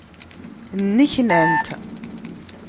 Nneknant.